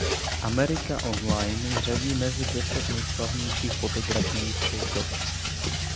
America Online ji řadí mezi deset nejslavnějších fotografií všech dob.